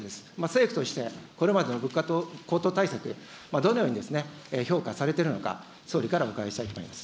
政府として、これまでの物価高騰対策、どのように評価されてるのか、総理からお伺いしたいと思い